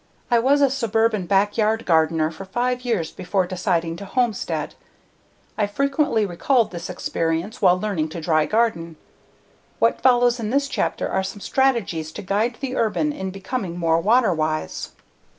I was a suburban backyard gardener for five years before deciding to homestead. I've frequently recalled this experience while learning to dry garden. What follows in this chapter are some strategies to guide the urban in becoming more water wise.